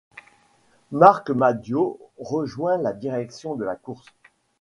Marc Madiot rejoint la direction de la course.